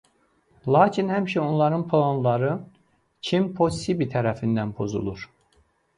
Lakin həmişə onların planları Kim Possibl tərəfindən pozulur.